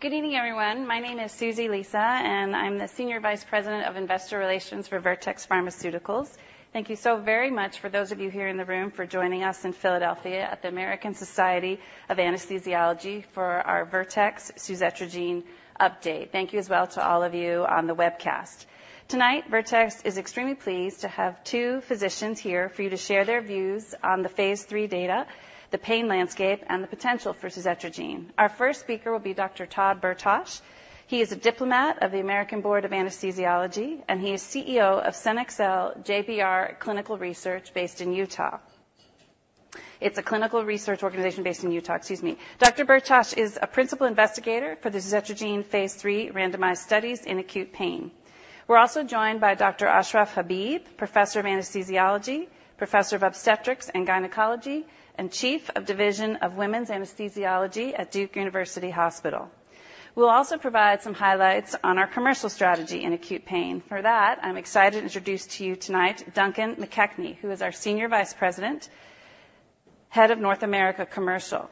Good evening, everyone. My name is Susie Lisa, and I'm the Senior Vice President of Investor Relations for Vertex Pharmaceuticals. Thank you so very much for those of you here in the room for joining us in Philadelphia at the American Society of Anesthesiologists for our Vertex suzetrigine update. Thank you as well to all of you on the webcast. Tonight, Vertex is extremely pleased to have two physicians here for you to share their views on the phase three data, the pain landscape, and the potential for suzetrigine. Our first speaker will be Dr. Todd Bertoch. He is a Diplomate of the American Board of Anesthesiology, and he is CEO of CenExel JBR Clinical Research based in Utah. It's a clinical research organization based in Utah, excuse me. Dr. Bertoch is a principal investigator for the suzetrigine phase three randomized studies in acute pain. We're also joined by Dr. Ashraf Habib, Professor of Anesthesiology, Professor of Obstetrics and Gynecology, and Chief of Division of Women's Anesthesiology at Duke University Hospital. We'll also provide some highlights on our commercial strategy in acute pain. For that, I'm excited to introduce to you tonight Duncan McKechnie, who is our Senior Vice President, Head of North America Commercial.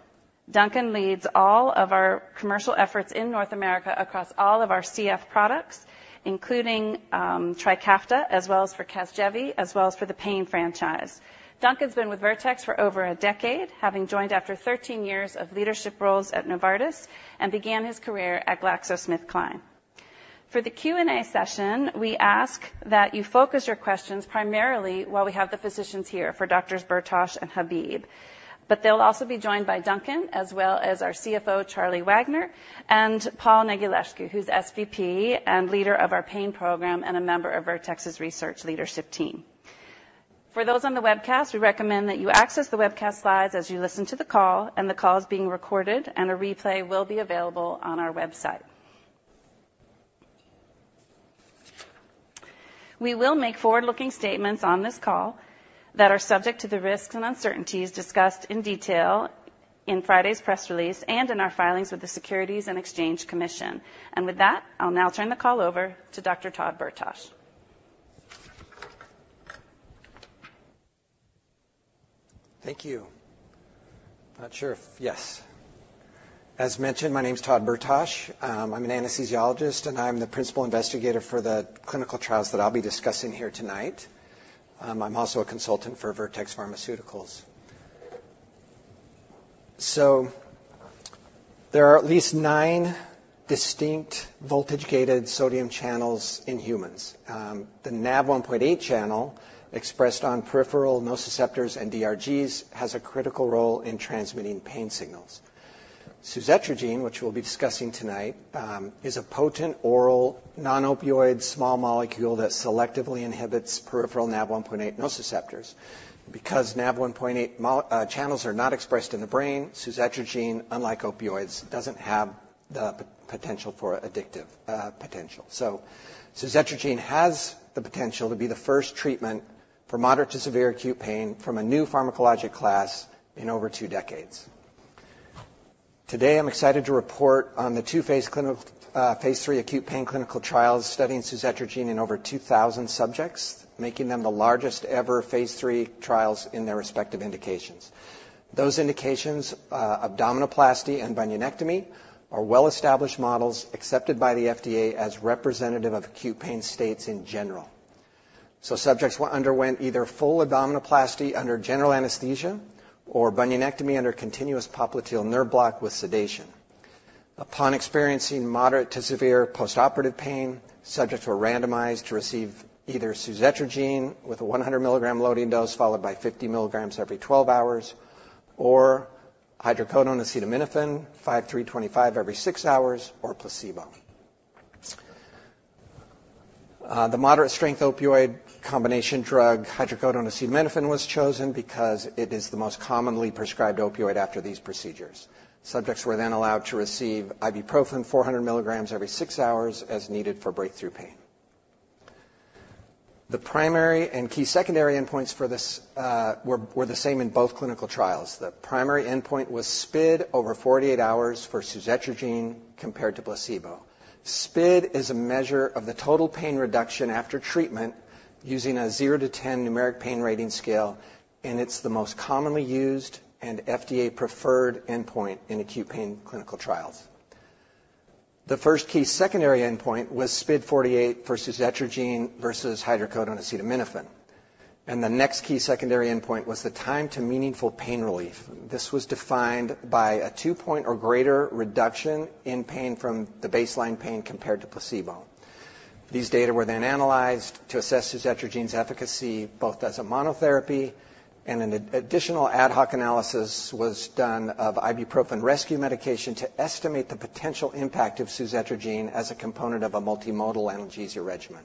Duncan leads all of our commercial efforts in North America across all of our CF products, including Trikafta, as well as for Casgevy, as well as for the pain franchise. Duncan's been with Vertex for over a decade, having joined after 13 years of leadership roles at Novartis, and began his career at GlaxoSmithKline. For the Q&A session, we ask that you focus your questions primarily while we have the physicians here for Doctors Bertoch and Habib. But they'll also be joined by Duncan, as well as our CFO, Charlie Wagner, and Paul Negulescu, who's SVP and leader of our pain program and a member of Vertex's research leadership team. For those on the webcast, we recommend that you access the webcast slides as you listen to the call, and the call is being recorded, and a replay will be available on our website. We will make forward-looking statements on this call that are subject to the risks and uncertainties discussed in detail in Friday's press release and in our filings with the Securities and Exchange Commission. And with that, I'll now turn the call over to Dr. Todd Bertoch. Thank you. Not sure if... Yes. As mentioned, my name is Todd Bertoch. I'm an anesthesiologist, and I'm the principal investigator for the clinical trials that I'll be discussing here tonight. I'm also a consultant for Vertex Pharmaceuticals. So there are at least nine distinct voltage-gated sodium channels in humans. The Nav1.8 channel, expressed on peripheral nociceptors and DRGs, has a critical role in transmitting pain signals. Suzetrigine, which we'll be discussing tonight, is a potent oral, non-opioid, small molecule that selectively inhibits peripheral Nav1.8 nociceptors. Because Nav1.8 channels are not expressed in the brain, suzetrigine, unlike opioids, doesn't have the potential for addictive potential. So suzetrigine has the potential to be the first treatment for moderate to severe acute pain from a new pharmacologic class in over two decades. Today, I'm excited to report on the two phase 3 acute pain clinical trials studying suzetrigine in over 2,000 subjects, making them the largest ever phase 3 trials in their respective indications. Those indications, abdominoplasty and bunionectomy, are well-established models accepted by the FDA as representative of acute pain states in general. So subjects underwent either full abdominoplasty under general anesthesia or bunionectomy under continuous popliteal nerve block with sedation. Upon experiencing moderate to severe postoperative pain, subjects were randomized to receive either suzetrigine with a 100 mg loading dose followed by 50 mg every 12 hours, or hydrocodone-acetaminophen, 5-325 every six hours, or placebo. The moderate-strength opioid combination drug, hydrocodone-acetaminophen, was chosen because it is the most commonly prescribed opioid after these procedures. Subjects were then allowed to receive ibuprofen, 400 mg every six hours, as needed for breakthrough pain. The primary and key secondary endpoints for this were the same in both clinical trials. The primary endpoint was SPID over 48 hours for suzetrigine compared to placebo. SPID is a measure of the total pain reduction after treatment using a 0 to 10 numeric pain rating scale, and it's the most commonly used and FDA-preferred endpoint in acute pain clinical trials. The first key secondary endpoint was SPID48 for suzetrigine versus hydrocodone-acetaminophen. And the next key secondary endpoint was the time to meaningful pain relief. This was defined by a two-point or greater reduction in pain from the baseline pain compared to placebo. These data were then analyzed to assess suzetrigine's efficacy, both as a monotherapy, and an additional ad hoc analysis was done of ibuprofen rescue medication to estimate the potential impact of suzetrigine as a component of a multimodal analgesia regimen.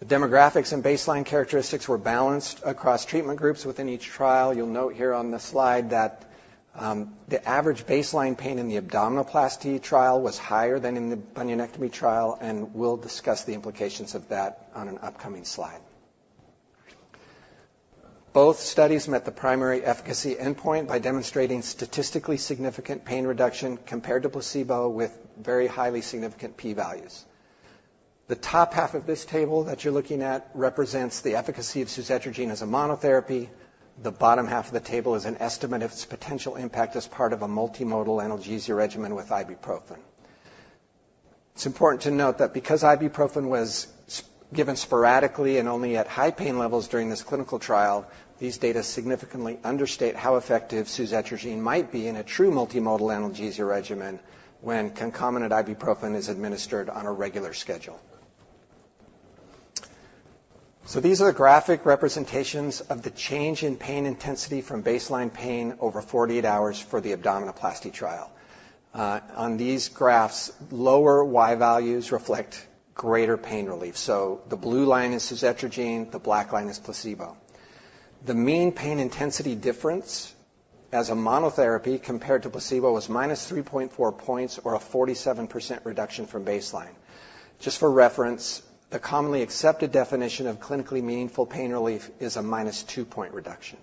The demographics and baseline characteristics were balanced across treatment groups within each trial. You'll note here on the slide that, the average baseline pain in the abdominoplasty trial was higher than in the bunionectomy trial, and we'll discuss the implications of that on an upcoming slide. Both studies met the primary efficacy endpoint by demonstrating statistically significant pain reduction compared to placebo with very highly significant P values. The top half of this table that you're looking at represents the efficacy of suzetrigine as a monotherapy. The bottom half of the table is an estimate of its potential impact as part of a multimodal analgesia regimen with ibuprofen. It's important to note that because ibuprofen was given sporadically and only at high pain levels during this clinical trial, these data significantly understate how effective suzetrigine might be in a true multimodal analgesia regimen when concomitant ibuprofen is administered on a regular schedule. These are the graphic representations of the change in pain intensity from baseline pain over 48 hours for the abdominoplasty trial. On these graphs, lower Y values reflect greater pain relief. The blue line is suzetrigine, the black line is placebo. The mean pain intensity difference as a monotherapy compared to placebo was minus 3.4 points or a 47% reduction from baseline. Just for reference, the commonly accepted definition of clinically meaningful pain relief is a minus 2-point reduction.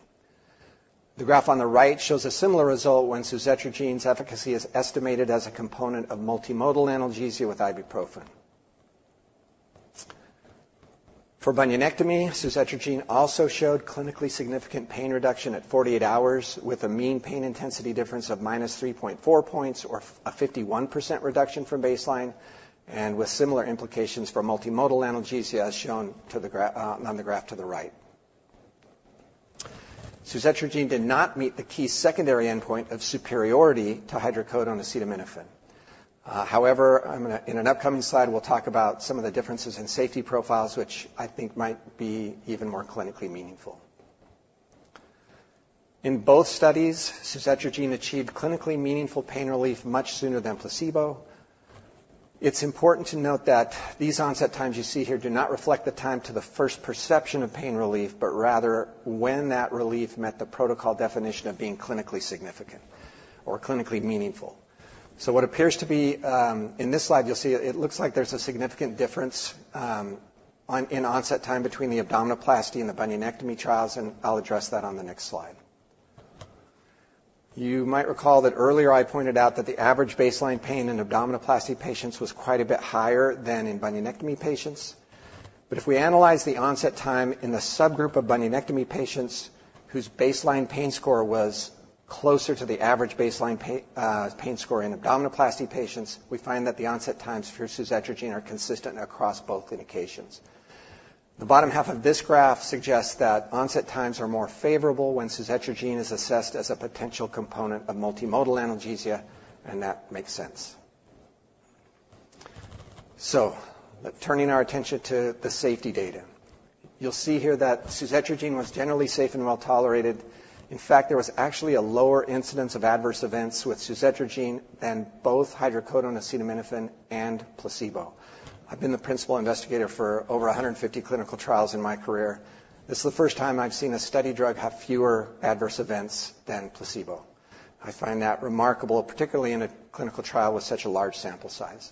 The graph on the right shows a similar result when suzetrigine's efficacy is estimated as a component of multimodal analgesia with ibuprofen. For bunionectomy, suzetrigine also showed clinically significant pain reduction at 48 hours, with a mean pain intensity difference of -3.4 points or a 51% reduction from baseline, and with similar implications for multimodal analgesia, as shown on the graph to the right. Suzetrigine did not meet the key secondary endpoint of superiority to hydrocodone-acetaminophen. However, in an upcoming slide, we'll talk about some of the differences in safety profiles, which I think might be even more clinically meaningful. In both studies, suzetrigine achieved clinically meaningful pain relief much sooner than placebo. It's important to note that these onset times you see here do not reflect the time to the first perception of pain relief, but rather when that relief met the protocol definition of being clinically significant or clinically meaningful. So what appears to be. In this slide, you'll see it looks like there's a significant difference in onset time between the abdominoplasty and the bunionectomy trials, and I'll address that on the next slide. You might recall that earlier I pointed out that the average baseline pain in abdominoplasty patients was quite a bit higher than in bunionectomy patients. But if we analyze the onset time in the subgroup of bunionectomy patients whose baseline pain score was closer to the average baseline pain score in abdominoplasty patients, we find that the onset times for suzetrigine are consistent across both indications. The bottom half of this graph suggests that onset times are more favorable when suzetrigine is assessed as a potential component of multimodal analgesia, and that makes sense. So turning our attention to the safety data. You'll see here that suzetrigine was generally safe and well-tolerated. In fact, there was actually a lower incidence of adverse events with suzetrigine than both hydrocodone, acetaminophen, and placebo. I've been the principal investigator for over a hundred and fifty clinical trials in my career. This is the first time I've seen a study drug have fewer adverse events than placebo. I find that remarkable, particularly in a clinical trial with such a large sample size.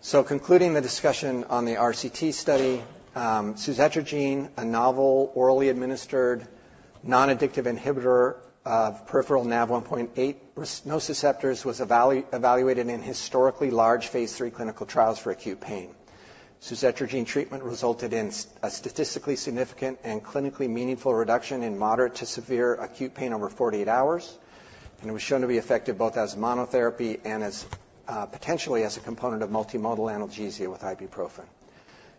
So concluding the discussion on the RCT study, suzetrigine, a novel, orally administered, non-addictive inhibitor of peripheral Nav1.8 nociceptors, was evaluated in historically large phase three clinical trials for acute pain. Suzetrigine treatment resulted in a statistically significant and clinically meaningful reduction in moderate to severe acute pain over forty-eight hours, and it was shown to be effective both as monotherapy and as potentially as a component of multimodal analgesia with ibuprofen.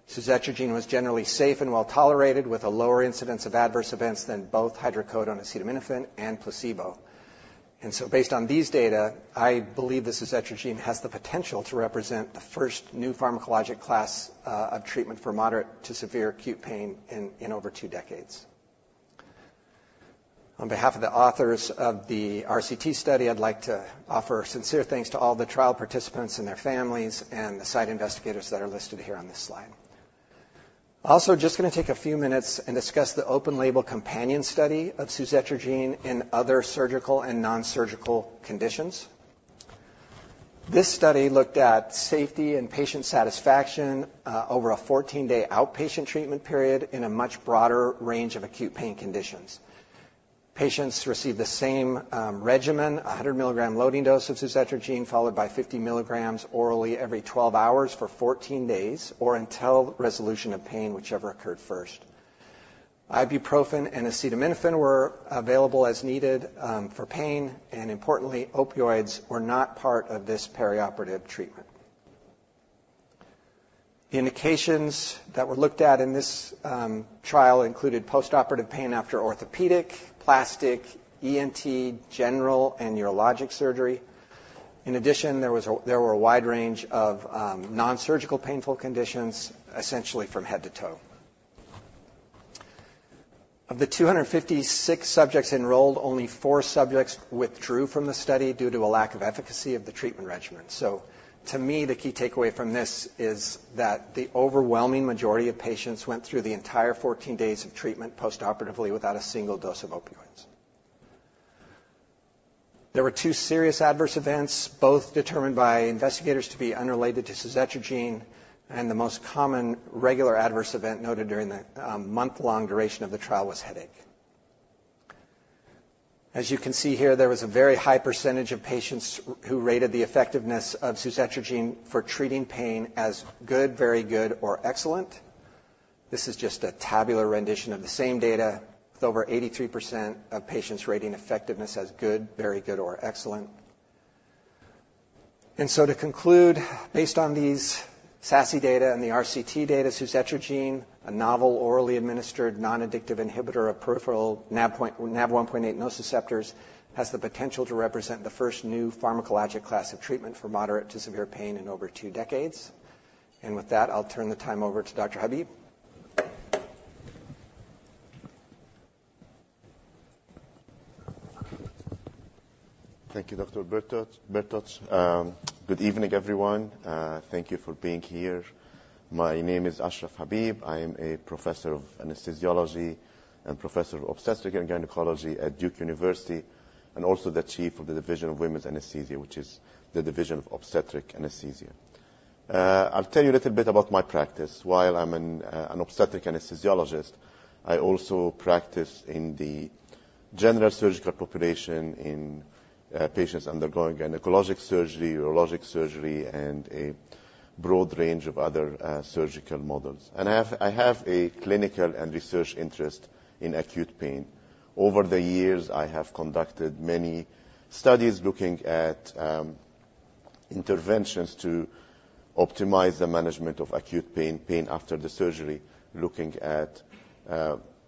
Suzetrigine was generally safe and well-tolerated, with a lower incidence of adverse events than both hydrocodone, acetaminophen, and placebo, and so, based on these data, I believe that suzetrigine has the potential to represent the first new pharmacologic class of treatment for moderate to severe acute pain in over two decades. On behalf of the authors of the RCT study, I'd like to offer sincere thanks to all the trial participants and their families and the site investigators that are listed here on this slide. Also, just gonna take a few minutes and discuss the open label companion study of Suzetrigine in other surgical and nonsurgical conditions. This study looked at safety and patient satisfaction over a 14-day outpatient treatment period in a much broader range of acute pain conditions. Patients received the same regimen, 100 milligram loading dose of Suzetrigine, followed by 50 milligrams orally every 12 hours for 14 days, or until resolution of pain, whichever occurred first. Ibuprofen and acetaminophen were available as needed for pain, and importantly, opioids were not part of this perioperative treatment. The indications that were looked at in this trial included postoperative pain after orthopedic, plastic, ENT, general, and urologic surgery. In addition, there were a wide range of nonsurgical painful conditions, essentially from head to toe. Of the 256 subjects enrolled, only four subjects withdrew from the study due to a lack of efficacy of the treatment regimen. So to me, the key takeaway from this is that the overwhelming majority of patients went through the entire 14 days of treatment postoperatively without a single dose of opioids. There were two serious adverse events, both determined by investigators to be unrelated to Suzetrigine, and the most common regular adverse event noted during the month-long duration of the trial was headache. As you can see here, there was a very high percentage of patients who rated the effectiveness of Suzetrigine for treating pain as good, very good, or excellent. This is just a tabular rendition of the same data, with over 83% of patients rating effectiveness as good, very good, or excellent. And so to conclude, based on these SASE data and the RCT data, suzetrigine, a novel, orally administered, non-addictive inhibitor of peripheral Nav1.8 nociceptors, has the potential to represent the first new pharmacologic class of treatment for moderate to severe pain in over two decades. And with that, I'll turn the time over to Dr. Habib. Thank you, Dr. Bertoch. Good evening, everyone. Thank you for being here. My name is Ashraf Habib. I am a professor of anesthesiology and professor of obstetrics and gynecology at Duke University, and also the chief of the Division of Women's Anesthesia, which is the Division of Obstetric Anesthesia. I'll tell you a little bit about my practice. While I'm an obstetric anesthesiologist, I also practice in the general surgical population in patients undergoing gynecologic surgery, urologic surgery, and a broad range of other surgical models. I have a clinical and research interest in acute pain. Over the years, I have conducted many studies looking at interventions to optimize the management of acute pain, pain after the surgery, looking at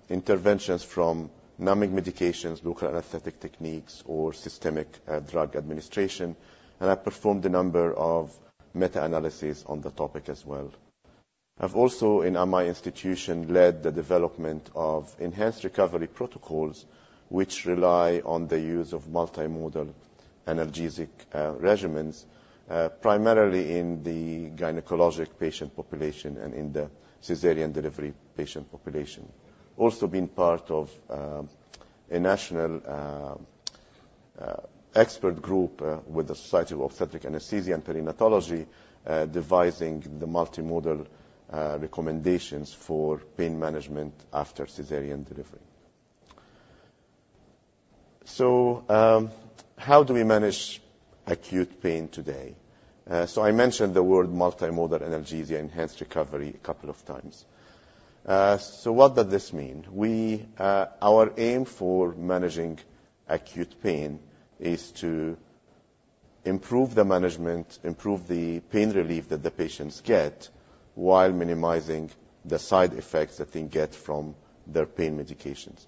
interventions from numbing medications, local anesthetic techniques, or systemic drug administration. I performed a number of meta-analyses on the topic as well. I've also, in my institution, led the development of enhanced recovery protocols, which rely on the use of multimodal analgesic regimens, primarily in the gynecologic patient population and in the cesarean delivery patient population. Also been part of a national expert group with the Society for Obstetric Anesthesia and Perinatology, devising the multimodal recommendations for pain management after cesarean delivery. How do we manage acute pain today? I mentioned the word multimodal analgesia, enhanced recovery, a couple of times. What does this mean? Our aim for managing acute pain is to improve the management, improve the pain relief that the patients get, while minimizing the side effects that they get from their pain medications.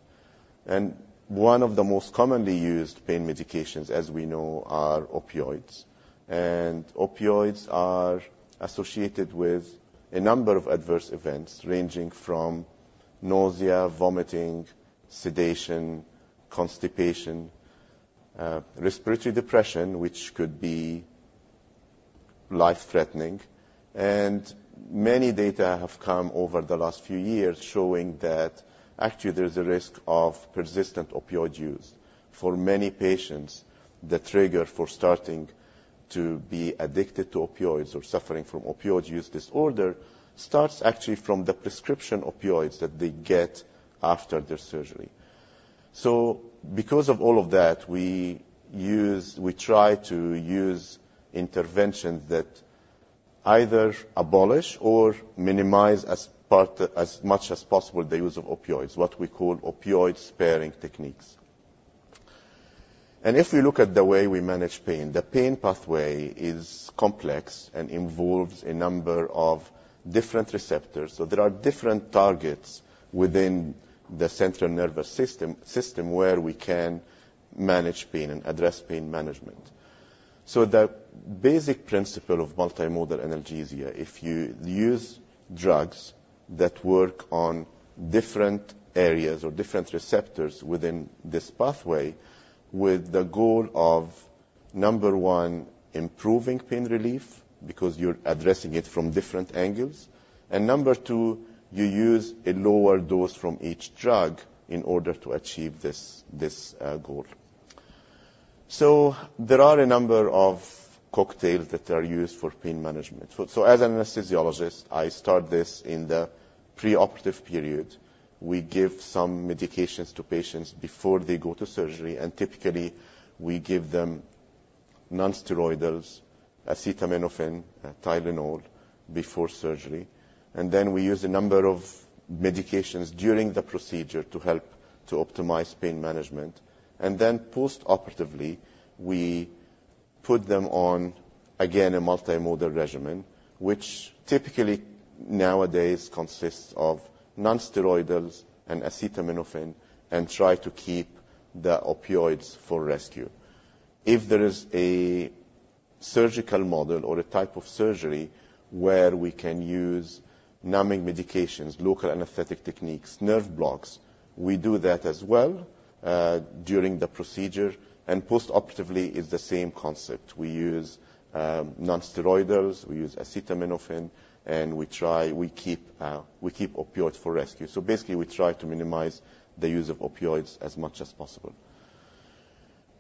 And one of the most commonly used pain medications, as we know, are opioids. And opioids are associated with a number of adverse events, ranging from nausea, vomiting, sedation, constipation, respiratory depression, which could be life-threatening. And many data have come over the last few years showing that actually, there's a risk of persistent opioid use. For many patients, the trigger for starting to be addicted to opioids or suffering from opioid use disorder, starts actually from the prescription opioids that they get after their surgery. So because of all of that, we try to use interventions that either abolish or minimize as part, as much as possible, the use of opioids, what we call opioid-sparing techniques. And if we look at the way we manage pain, the pain pathway is complex and involves a number of different receptors. So there are different targets within the central nervous system where we can manage pain and address pain management. So the basic principle of multimodal analgesia, if you use drugs that work on different areas or different receptors within this pathway, with the goal of, number one, improving pain relief, because you're addressing it from different angles, and number two, you use a lower dose from each drug in order to achieve this goal. So there are a number of cocktails that are used for pain management. So as an anesthesiologist, I start this in the preoperative period. We give some medications to patients before they go to surgery, and typically, we give them nonsteroidals, acetaminophen, Tylenol, before surgery, and then we use a number of medications during the procedure to help to optimize pain management. And then post-operatively, we put them on, again, a multimodal regimen, which typically, nowadays, consists of nonsteroidals and acetaminophen, and try to keep the opioids for rescue. If there is a surgical model or a type of surgery where we can use numbing medications, local anesthetic techniques, nerve blocks, we do that as well during the procedure. And post-operatively is the same concept. We use nonsteroidals, we use acetaminophen, and we try to keep opioids for rescue. So basically, we try to minimize the use of opioids as much as possible.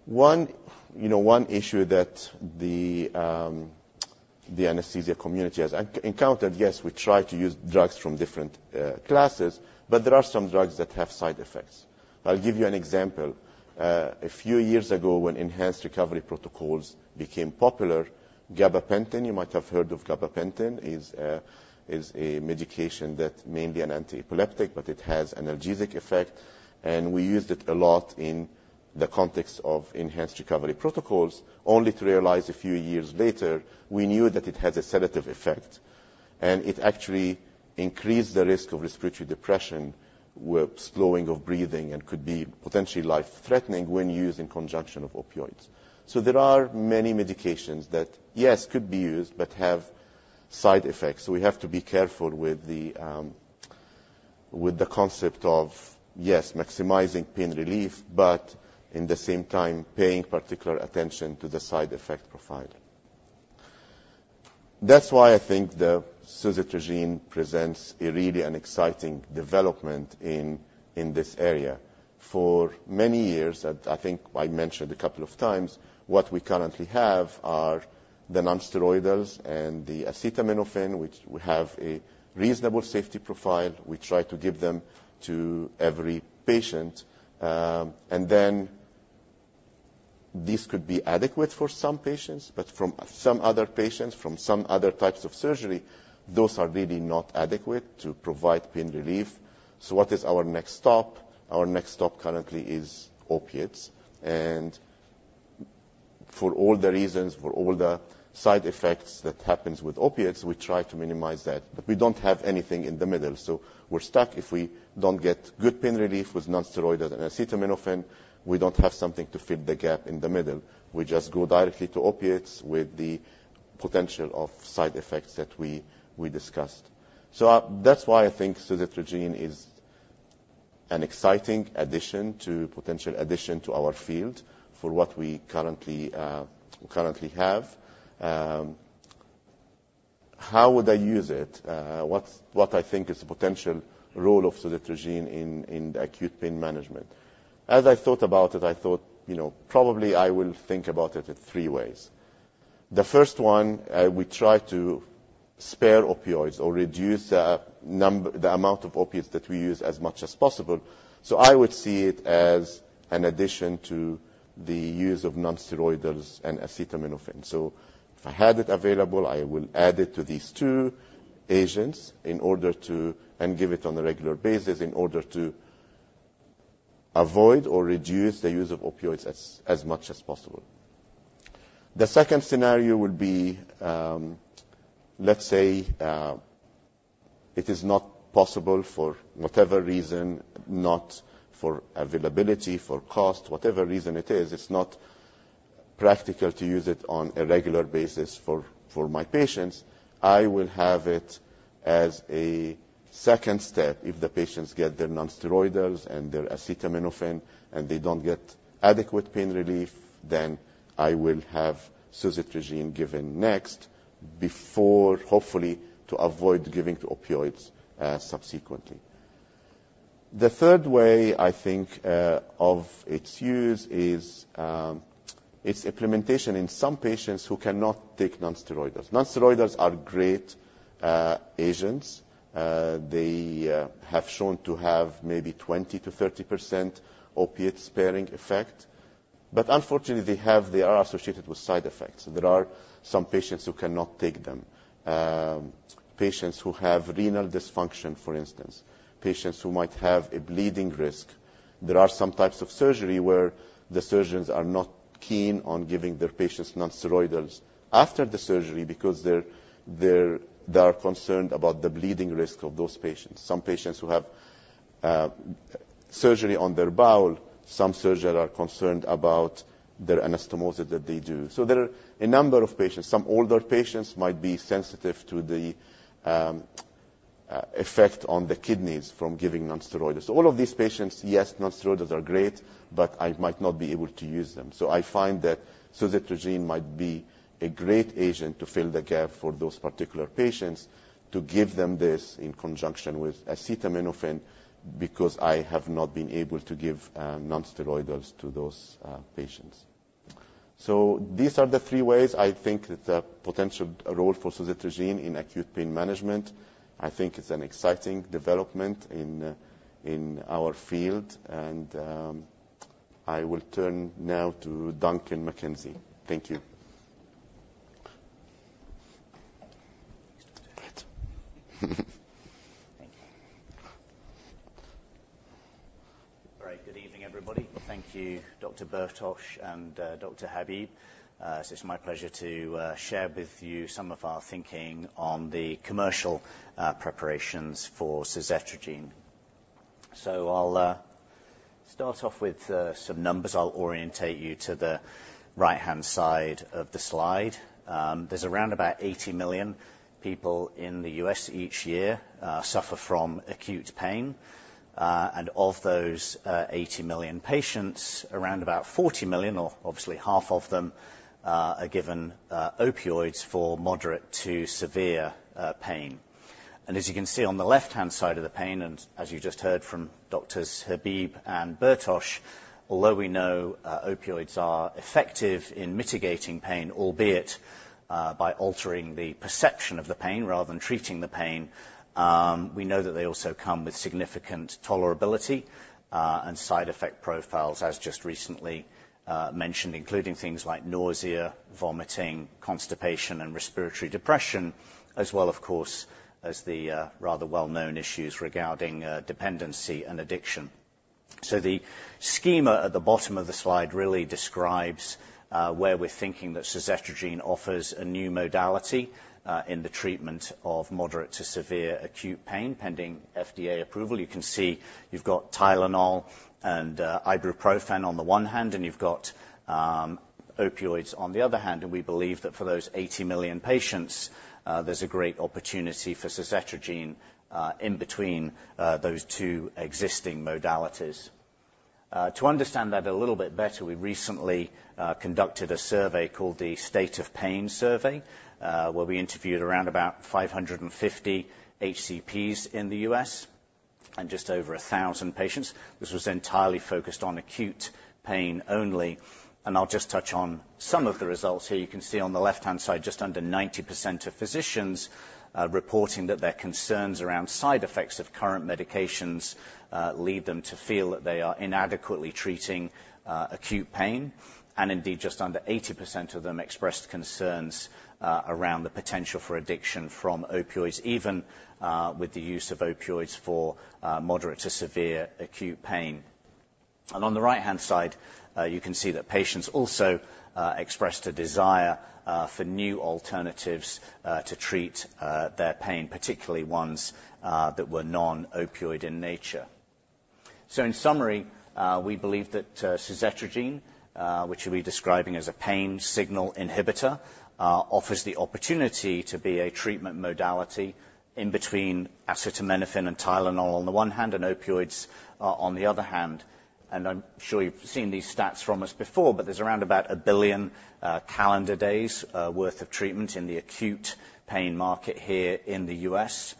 One, you know, one issue that the anesthesia community has encountered. Yes, we try to use drugs from different classes, but there are some drugs that have side effects. I'll give you an example. A few years ago, when enhanced recovery protocols became popular, gabapentin, you might have heard of gabapentin, is a medication that's mainly an antiepileptic, but it has analgesic effect, and we used it a lot in the context of enhanced recovery protocols, only to realize a few years later we knew that it had a sedative effect, and it actually increased the risk of respiratory depression, with slowing of breathing and could be potentially life-threatening when used in conjunction with opioids. So there are many medications that, yes, could be used, but have side effects, so we have to be careful with the concept of, yes, maximizing pain relief, but in the same time, paying particular attention to the side effect profile. That's why I think the suzetrigine presents a really exciting development in this area. For many years, I think I mentioned a couple of times, what we currently have are the nonsteroidals and the acetaminophen, which we have a reasonable safety profile. We try to give them to every patient. And then this could be adequate for some patients, but from some other patients, from some other types of surgery, those are really not adequate to provide pain relief. So what is our next stop? Our next stop currently is opiates, and for all the reasons, for all the side effects that happens with opiates, we try to minimize that, but we don't have anything in the middle. So we're stuck if we don't get good pain relief with nonsteroidals and acetaminophen, we don't have something to fill the gap in the middle. We just go directly to opiates with the potential of side effects that we discussed. So, that's why I think suzetrigine is an exciting addition to potential addition to our field for what we currently have. How would I use it? What I think is the potential role of suzetrigine in acute pain management. As I thought about it, I thought, you know, probably I will think about it in three ways. The first one, we try to spare opioids or reduce the amount of opiates that we use as much as possible. So I would see it as an addition to the use of nonsteroidals and acetaminophen. So if I had it available, I will add it to these two agents in order to and give it on a regular basis, in order to avoid or reduce the use of opioids as much as possible. The second scenario would be, let's say, it is not possible for whatever reason, not for availability, for cost, whatever reason it is, it's not practical to use it on a regular basis for my patients. I will have it as a second step. If the patients get their nonsteroidals and their acetaminophen, and they don't get adequate pain relief, then I will have suzetrigine given next, before, hopefully, to avoid giving the opioids, subsequently. The third way I think of its use is, its implementation in some patients who cannot take nonsteroidals. Nonsteroidals are great, agents. They have shown to have maybe 20%-30% opiate-sparing effect, but unfortunately, they are associated with side effects. There are some patients who cannot take them. Patients who have renal dysfunction, for instance, patients who might have a bleeding risk. There are some types of surgery where the surgeons are not keen on giving their patients nonsteroidals after the surgery because they are concerned about the bleeding risk of those patients. Some patients who have surgery on their bowel, some surgeons are concerned about the anastomosis that they do, so there are a number of patients. Some older patients might be sensitive to the effect on the kidneys from giving nonsteroidals. All of these patients, yes, nonsteroidals are great, but I might not be able to use them, so I find that suzetrigine might be a great agent to fill the gap for those particular patients, to give them this in conjunction with acetaminophen, because I have not been able to give nonsteroidals to those patients. So these are the three ways I think that the potential role for Suzetrigine in acute pain management. I think it's an exciting development in our field, and I will turn now to Duncan McKechnie. Thank you. Great. Thank you. All right. Good evening, everybody. Thank you, Dr. Bertoch and, Dr. Habib. So it's my pleasure to, share with you some of our thinking on the commercial, preparations for suzetrigine. So I'll, start off with, some numbers. I'll orientate you to the right-hand side of the slide. There's around about eighty million people in the U.S. each year suffer from acute pain, and of those, eighty million patients, around about forty million, or obviously half of them, are given opioids for moderate to severe pain. As you can see on the left-hand side of the page, and as you just heard from Doctors Habib and Bertoch, although we know opioids are effective in mitigating pain, albeit by altering the perception of the pain rather than treating the pain, we know that they also come with significant tolerability and side effect profiles, as just recently mentioned, including things like nausea, vomiting, constipation, and respiratory depression, as well, of course, as the rather well-known issues regarding dependency and addiction. The schema at the bottom of the slide really describes where we're thinking that suzetrigine offers a new modality in the treatment of moderate to severe acute pain, pending FDA approval. You can see you've got Tylenol and ibuprofen on the one hand, and you've got opioids on the other hand, and we believe that for those 80 million patients, there's a great opportunity for suzetrigine in between those two existing modalities. To understand that a little bit better, we recently conducted a survey called the State of Pain Survey where we interviewed around about 550 HCPs in the U.S. and just over 1,000 patients. This was entirely focused on acute pain only, and I'll just touch on some of the results here. You can see on the left-hand side, just under 90% of physicians reporting that their concerns around side effects of current medications lead them to feel that they are inadequately treating acute pain. And indeed, just under 80% of them expressed concerns around the potential for addiction from opioids, even with the use of opioids for moderate to severe acute pain. And on the right-hand side, you can see that patients also expressed a desire for new alternatives to treat their pain, particularly ones that were non-opioid in nature. So in summary, we believe that suzetrigine, which we'll be describing as a pain signal inhibitor, offers the opportunity to be a treatment modality in between acetaminophen and Tylenol on the one hand, and opioids on the other hand. And I'm sure you've seen these stats from us before, but there's around about a billion calendar days' worth of treatment in the acute pain market here in the U.S.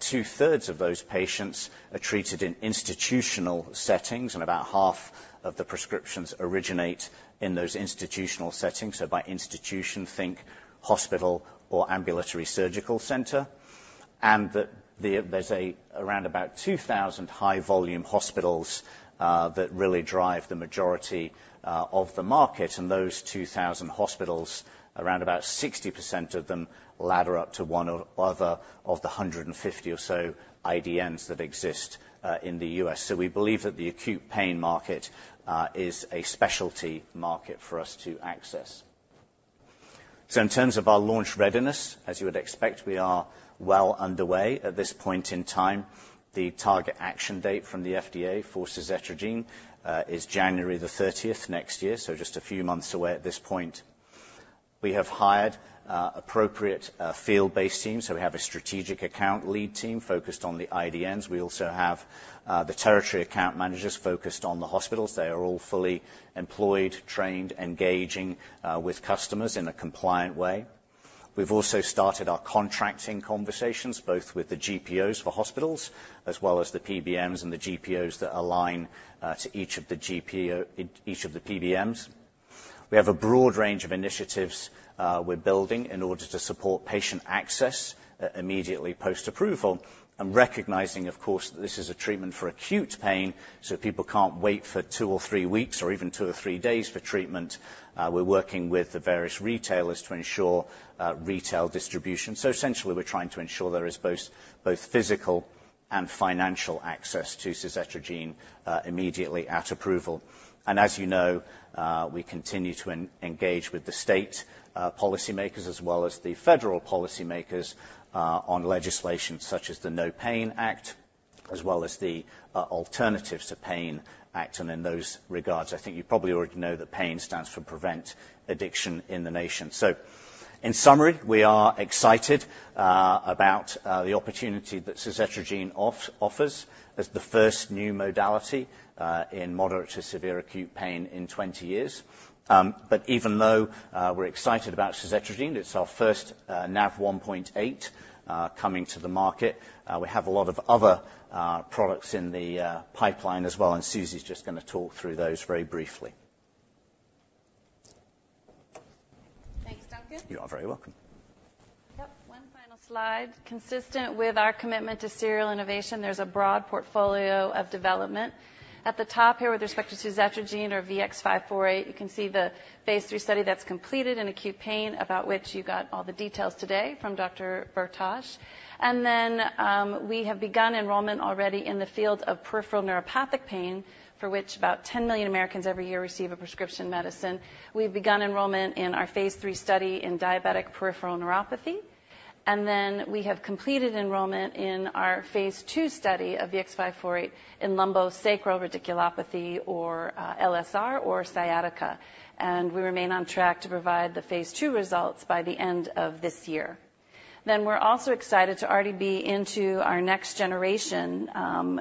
Two-thirds of those patients are treated in institutional settings, and about half of the prescriptions originate in those institutional settings. So by institution, think hospital or ambulatory surgical center. There's around about 2,000 high volume hospitals that really drive the majority of the market. And those 2,000 hospitals, around about 60% of them, ladder up to one or other of the 150 or so IDNs that exist in the U.S. So we believe that the acute pain market is a specialty market for us to access. So in terms of our launch readiness, as you would expect, we are well underway at this point in time. The target action date from the FDA for Suzetrigine is January the thirtieth next year, so just a few months away at this point. We have hired appropriate field-based teams, so we have a strategic account lead team focused on the IDNs. We also have the territory account managers focused on the hospitals. They are all fully employed, trained, engaging with customers in a compliant way. We've also started our contracting conversations, both with the GPOs for hospitals as well as the PBMs and the GPOs that align to each of the GPOs in each of the PBMs. We have a broad range of initiatives we're building in order to support patient access immediately post-approval. And recognizing, of course, that this is a treatment for acute pain, so people can't wait for two or three weeks or even two or three days for treatment, we're working with the various retailers to ensure retail distribution. So essentially, we're trying to ensure there is both physical and financial access to suzetrigine immediately at approval. And as you know, we continue to engage with the state policymakers as well as the federal policymakers on legislation such as the No PAIN Act, as well as the Alternatives to PAIN Act. And in those regards, I think you probably already know that PAIN stands for Prevent Addiction in the Nation. So in summary, we are excited about the opportunity that suzetrigine offers as the first new modality in moderate to severe acute pain in twenty years. But even though we're excited about suzetrigine, it's our first Nav1.8 coming to the market, we have a lot of other products in the pipeline as well, and Susie's just gonna talk through those very briefly. Thanks, Duncan. You are very welcome. Yep. One final slide. Consistent with our commitment to serial innovation, there's a broad portfolio of development. At the top here, with respect to suzetrigine or VX-548, you can see the phase 3 study that's completed in acute pain, about which you got all the details today from Dr. Bertoch. And then, we have begun enrollment already in the field of peripheral neuropathic pain, for which about ten million Americans every year receive a prescription medicine. We've begun enrollment in our phase 3 study in diabetic peripheral neuropathy, and then we have completed enrollment in our phase 2 study of VX-548 in lumbosacral radiculopathy or, LSR or sciatica. And we remain on track to provide the phase 2 results by the end of this year. Then we're also excited to already be into our next generation Nav1.8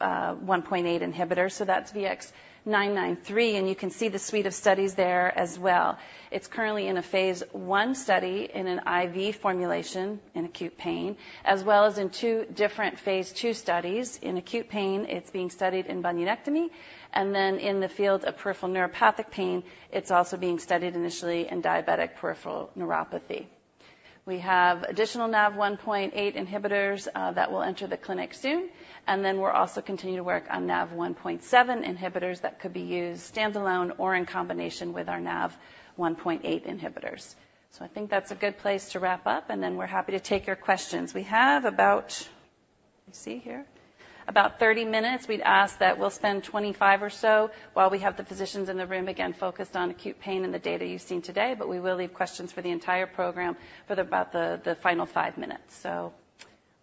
inhibitor, so that's VX-993, and you can see the suite of studies there as well. It's currently in a phase 1 study, in an IV formulation, in acute pain, as well as in two different phase 2 studies. In acute pain, it's being studied in bunionectomy, and then in the field of peripheral neuropathic pain, it's also being studied initially in diabetic peripheral neuropathy. We have additional Nav1.8 inhibitors that will enter the clinic soon, and then we're also continuing to work on Nav1.7 inhibitors that could be used standalone or in combination with our Nav1.8 inhibitors. So I think that's a good place to wrap up, and then we're happy to take your questions. We have about, let's see here, about 30 minutes. We'd ask that we'll spend 25 or so while we have the physicians in the room, again, focused on acute pain and the data you've seen today, but we will leave questions for the entire program for about the final 5 minutes. So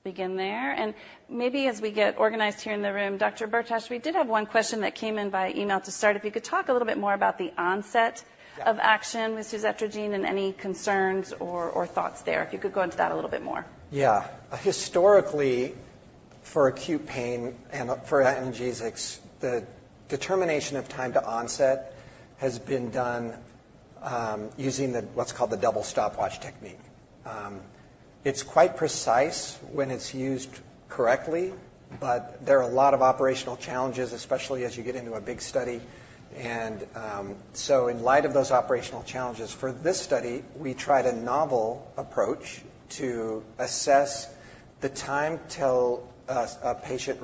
begin there, and maybe as we get organized here in the room, Dr. Bertoch, we did have one question that came in by email to start. If you could talk a little bit more about the onset of action- Yeah. with Suzetrigine and any concerns or thoughts there, if you could go into that a little bit more. Yeah. Historically, for acute pain and for analgesics, the determination of time to onset has been done, using the, what's called the double stopwatch technique. It's quite precise when it's used correctly, but there are a lot of operational challenges, especially as you get into a big study, and, so in light of those operational challenges, for this study, we tried a novel approach to assess the time till a patient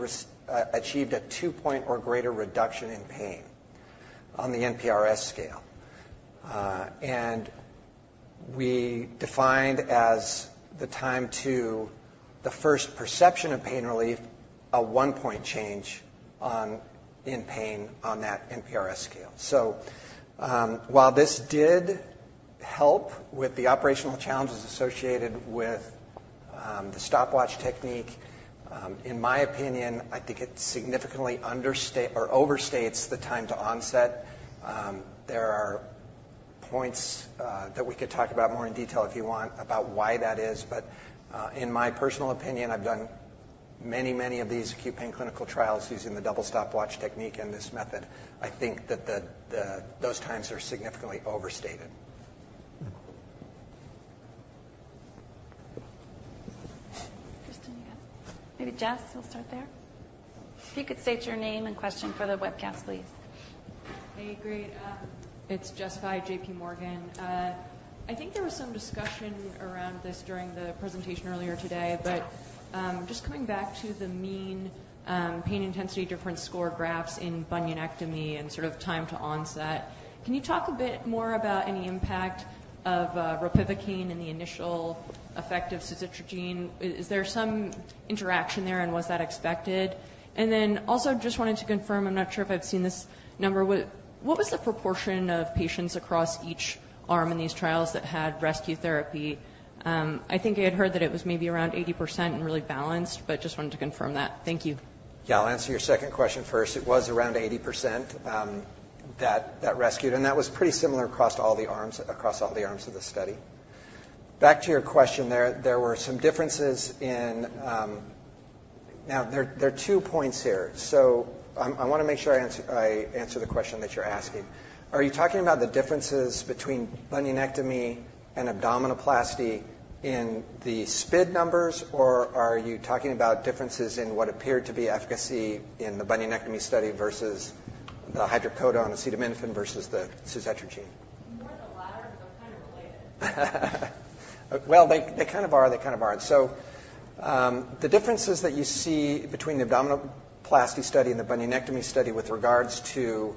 achieved a two-point or greater reduction in pain on the NPRS scale. And we defined as the time to the first perception of pain relief, a one-point change in pain on that NPRS scale. So, while this did help with the operational challenges associated with, the stopwatch technique, in my opinion, I think it significantly overstates the time to onset. There are points that we could talk about more in detail if you want, about why that is, but in my personal opinion, I've done many, many of these acute pain clinical trials using the double stopwatch technique and this method. I think that those times are significantly overstated. Maybe Jess, we'll start there. If you could state your name and question for the webcast, please. Hey, great. It's Jessica Fye, JP Morgan. I think there was some discussion around this during the presentation earlier today, but just coming back to the mean pain intensity difference score graphs in bunionectomy and sort of time to onset. Can you talk a bit more about any impact of ropivacaine and the initial effect of suzetrigine? Is there some interaction there, and was that expected? And then also, just wanted to confirm, I'm not sure if I've seen this number. What was the proportion of patients across each arm in these trials that had rescue therapy? I think I had heard that it was maybe around 80% and really balanced, but just wanted to confirm that. Thank you. Yeah, I'll answer your second question first. It was around 80%, that rescued, and that was pretty similar across all the arms of the study. Back to your question, there were some differences in. Now, there are two points here. So I want to make sure I answer the question that you're asking. Are you talking about the differences between bunionectomy and abdominoplasty in the SPID numbers, or are you talking about differences in what appeared to be efficacy in the bunionectomy study versus the hydrocodone-acetaminophen versus the suzetrigine? More the latter, but kind of related. They kind of are, they kind of aren't. The differences that you see between the abdominoplasty study and the bunionectomy study with regards to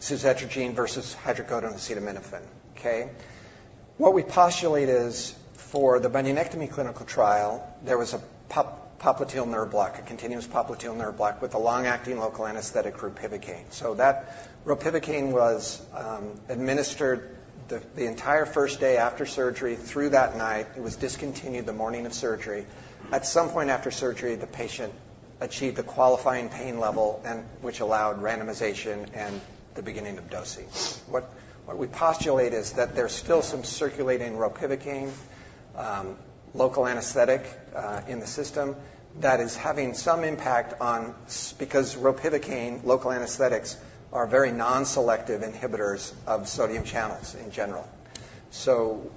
suzetrigine versus hydrocodone and acetaminophen, okay? What we postulate is for the bunionectomy clinical trial, there was a popliteal nerve block, a continuous popliteal nerve block with a long-acting local anesthetic, ropivacaine. That ropivacaine was administered the entire first day after surgery, through that night. It was discontinued the morning of surgery. At some point after surgery, the patient achieved a qualifying pain level and which allowed randomization and the beginning of dosing. What we postulate is that there's still some circulating ropivacaine, local anesthetic, in the system that is having some impact, because ropivacaine local anesthetics are very non-selective inhibitors of sodium channels in general. So,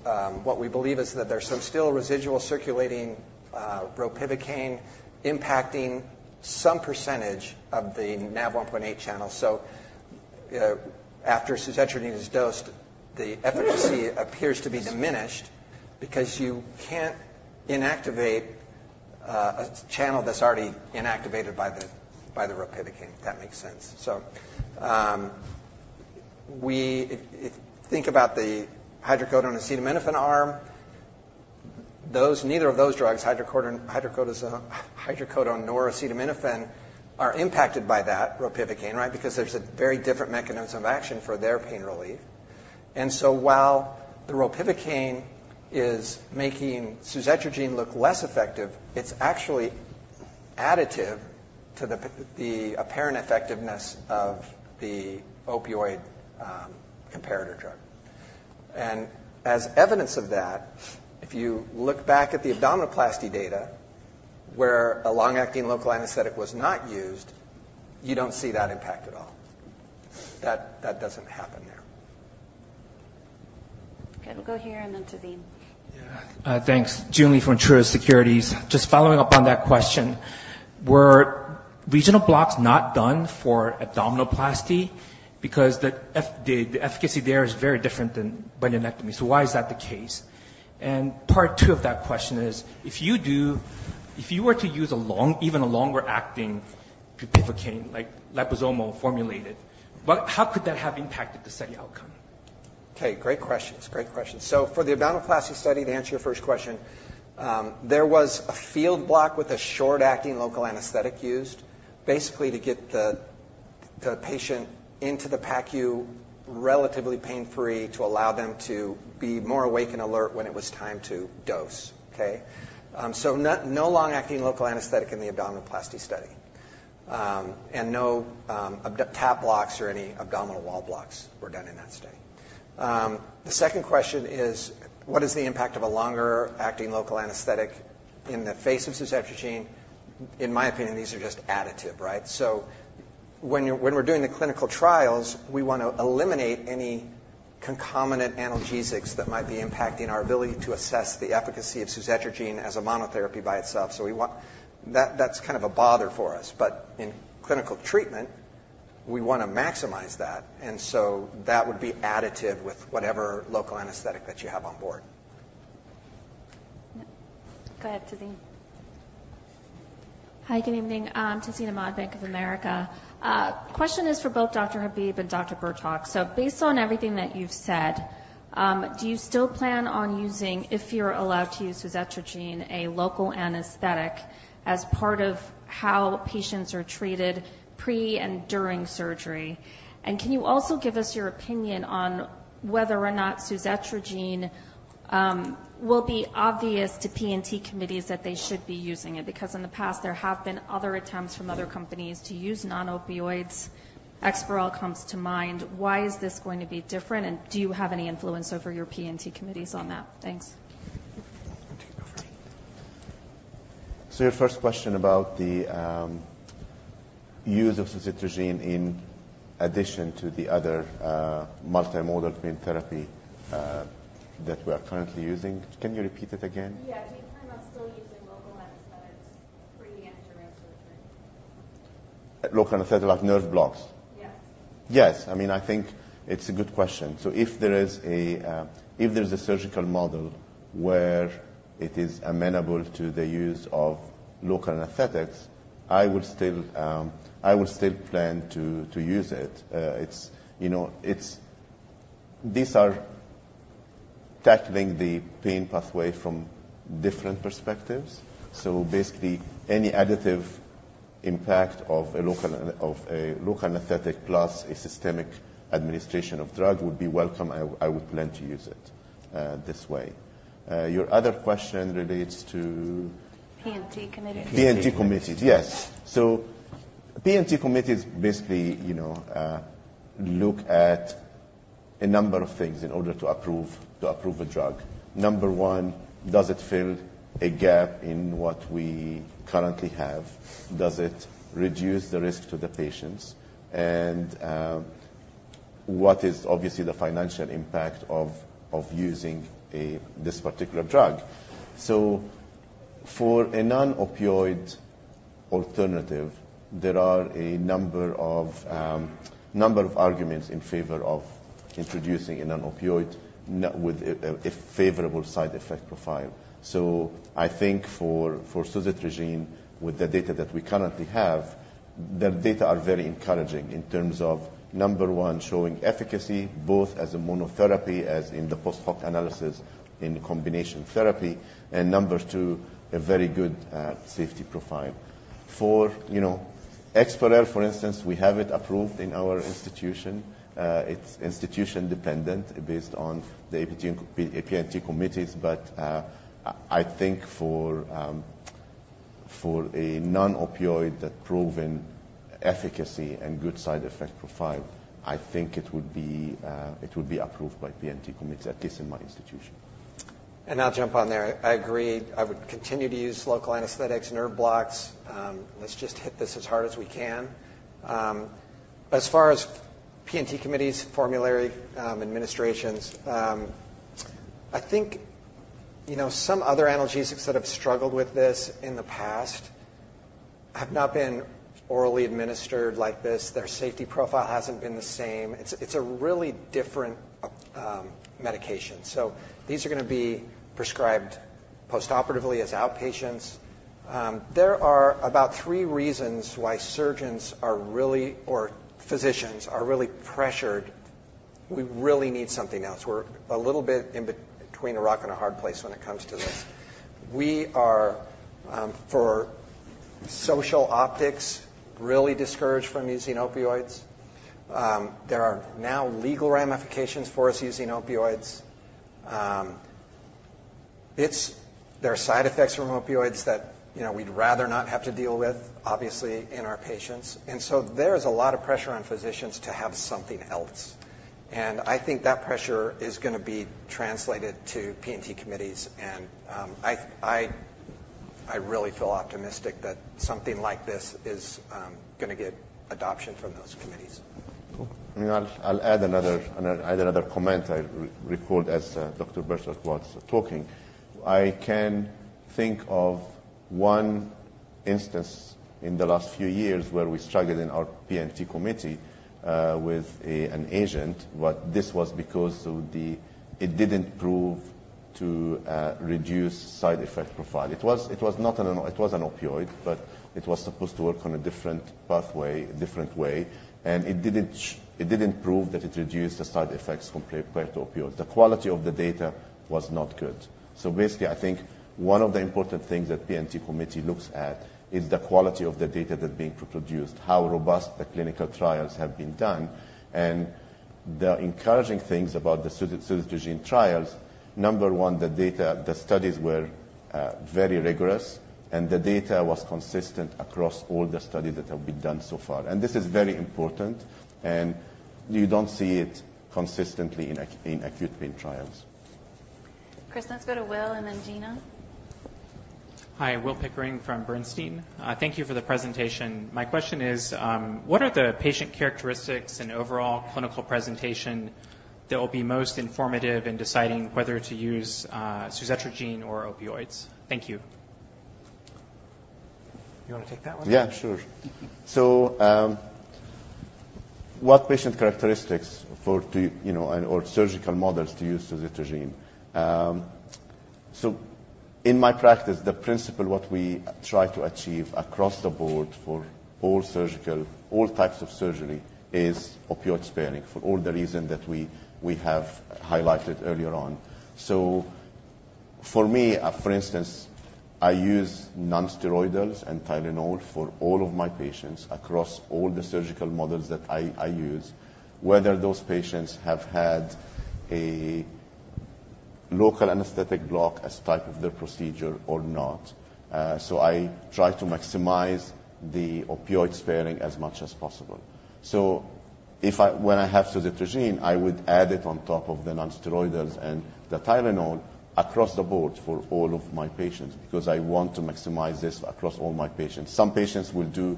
what we believe is that there's some still residual circulating ropivacaine impacting some percentage of the Nav1.8 channel. You know, after suzetrigine is dosed, the efficacy appears to be diminished because you can't inactivate a channel that's already inactivated by the ropivacaine, if that makes sense. So, if you think about the hydrocodone and acetaminophen arm, neither of those drugs, hydrocodone nor acetaminophen, are impacted by that ropivacaine, right? Because there's a very different mechanism of action for their pain relief. And so while the ropivacaine is making suzetrigine look less effective, it's actually additive to the apparent effectiveness of the opioid comparator drug. As evidence of that, if you look back at the abdominoplasty data, where a long-acting local anesthetic was not used, you don't see that impact at all. That doesn't happen there. Okay, we'll go here, and then to the- Yeah. Thanks. Joon Lee from Truist Securities. Just following up on that question, were regional blocks not done for abdominoplasty? Because the efficacy there is very different than bunionectomy. So why is that the case? And part two of that question is, if you were to use a long, even a longer-acting bupivacaine, like liposomal formulated, how could that have impacted the study outcome? Okay, great questions. Great questions. So for the abdominoplasty study, to answer your first question, there was a field block with a short-acting local anesthetic used, basically to get the patient into the PACU relatively pain-free, to allow them to be more awake and alert when it was time to dose, okay? So no, no long-acting local anesthetic in the abdominoplasty study. And no, TAP blocks or any abdominal wall blocks were done in that study. The second question is: what is the impact of a longer-acting local anesthetic in the face of suzetrigine? In my opinion, these are just additive, right? So when you're, when we're doing the clinical trials, we want to eliminate any concomitant analgesics that might be impacting our ability to assess the efficacy of suzetrigine as a monotherapy by itself. So we want... That, that's kind of a bother for us. But in clinical treatment, we want to maximize that, and so that would be additive with whatever local anesthetic that you have on board. Go ahead, Tazeen. Hi, good evening. I'm Tazeen Ahmad, Bank of America. Question is for both Dr. Ashraf Habib and Dr. Todd Bertoch. So based on everything that you've said, do you still plan on using, if you're allowed to use suzetrigine, a local anesthetic as part of how patients are treated pre and during surgery? And can you also give us your opinion on whether or not suzetrigine will be obvious to P&T committees that they should be using it? Because in the past, there have been other attempts from other companies to use non-opioids. Exparel comes to mind. Why is this going to be different, and do you have any influence over your P&T committees on that? Thanks. I'll take it over. So your first question about the use of Suzetrigine in addition to the other multimodal pain therapy that we are currently using. Can you repeat it again? Yeah. Do you plan on still using local anesthetics pre and during surgery? Local anesthetic, like nerve blocks? Yes. Yes. I mean, I think it's a good question. So if there is a, if there's a surgical model where it is amenable to the use of local anesthetics, I would still plan to use it. It's, you know, it's... These are tackling the pain pathway from different perspectives. So basically, any additive impact of a local anesthetic plus a systemic administration of drug would be welcome. I would plan to use it this way. Your other question relates to? P&T committees. P&T committees, yes. So P&T committees basically, you know, look at a number of things in order to approve a drug. Number one, does it fill a gap in what we currently have? Does it reduce the risk to the patients? And what is obviously the financial impact of using this particular drug? So for a non-opioid alternative, there are a number of arguments in favor of introducing a non-opioid with a favorable side effect profile. So I think for Suzetrigine, with the data that we currently have, the data are very encouraging in terms of number one, showing efficacy, both as a monotherapy, as in the post-hoc analysis in the combination therapy, and number two, a very good safety profile. For you know, Exparel, for instance, we have it approved in our institution. It's institution dependent based on the P&T committees. But, I think for a non-opioid with proven efficacy and good side effect profile, I think it would be approved by P&T committees, at least in my institution. And I'll jump on there. I agree. I would continue to use local anesthetics, nerve blocks, let's just hit this as hard as we can. As far as P&T committees, formulary, administrations, I think, you know, some other analgesics that have struggled with this in the past have not been orally administered like this. Their safety profile hasn't been the same. It's, it's a really different medication. So these are gonna be prescribed postoperatively as outpatients. There are about three reasons why surgeons are really, or physicians are really pressured. We really need something else. We're a little bit in between a rock and a hard place when it comes to this. We are, for social optics, really discouraged from using opioids. There are now legal ramifications for us using opioids. There are side effects from opioids that, you know, we'd rather not have to deal with, obviously, in our patients. And so there's a lot of pressure on physicians to have something else, and I think that pressure is gonna be translated to P&T committees, and I really feel optimistic that something like this is gonna get adoption from those committees. Cool. I mean, I'll add another comment I recall as Dr. Bertoch was talking. I can think of one instance in the last few years where we struggled in our P&T committee with an agent. But this was because of the... It didn't prove to reduce side effect profile. It was an opioid, but it was supposed to work on a different pathway, a different way. And it didn't prove that it reduced the side effects compared to opioids. The quality of the data was not good, so basically I think one of the important things that P&T committee looks at is the quality of the data that's being produced, how robust the clinical trials have been done. The encouraging things about the Suzetrigine trials, number one, the data, the studies were very rigorous, and the data was consistent across all the studies that have been done so far. This is very important, and you don't see it consistently in acute pain trials. Chris, let's go to Will and then Gena. Hi, Will Pickering from Bernstein. Thank you for the presentation. My question is, what are the patient characteristics and overall clinical presentation that will be most informative in deciding whether to use suzetrigine or opioids? Thank you. You wanna take that one? Yeah, sure. So, what patient characteristics for to, you know, and or surgical models to use suzetrigine? So in my practice, the principle, what we try to achieve across the board for all surgical, all types of surgery, is opioid sparing, for all the reason that we, we have highlighted earlier on. So for me, for instance, I use nonsteroidals and Tylenol for all of my patients across all the surgical models that I, I use, whether those patients have had a local anesthetic block as type of their procedure or not. So I try to maximize the opioid sparing as much as possible. So if I, when I have suzetrigine, I would add it on top of the nonsteroidals and the Tylenol across the board for all of my patients, because I want to maximize this across all my patients. Some patients will do